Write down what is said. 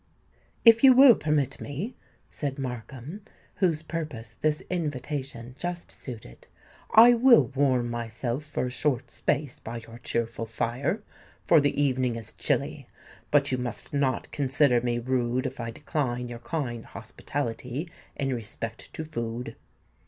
"If you will permit me," said Markham, whose purpose this invitation just suited, "I will warm myself for a short space by your cheerful fire; for the evening is chilly. But you must not consider me rude if I decline your kind hospitality in respect to food."